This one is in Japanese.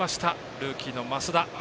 ルーキーの益田。